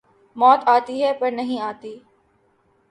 موت آتی ہے پر نہیں آتی